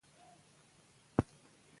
خپل ارزښتونه وپیژنو.